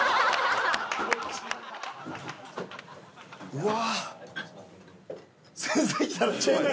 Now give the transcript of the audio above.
うわ。